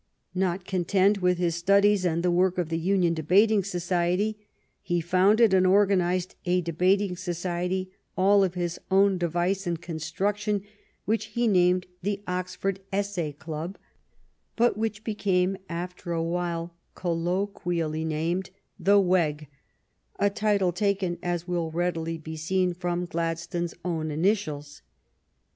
Not content with his studies and the work of the Union Debating Society, he founded and organized a debating society all of his own device and construction, which he named the Oxford Essay Club, but which became after a while col loquially named the " Weg,'' a title taken, as will readily be seen, from Gladstone's own initials.